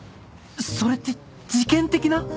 それって事件的な？